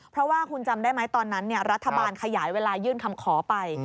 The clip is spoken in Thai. เพราะว่าคุณจำได้ไหมตอนนั้นรัฐบาลขยายเวลายื่นคำขอไป